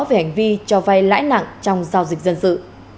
về hành vi cho vay lãi nặng trong giao dịch dân sự